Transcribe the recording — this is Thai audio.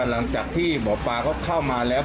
หลังจากที่หมอปลาเขาเข้ามาแล้ว